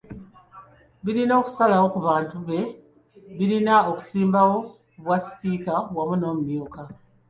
Birina okusalawo ku bantu be birina okusimbawo ku bwasipiika wamu n'omumyuka